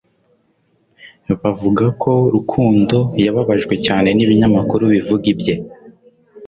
Bavuga ko Rukundo 'yababajwe cyane' n'ibinyamakuru bivuga ibye